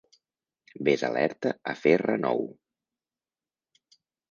Ves alerta a fer renou.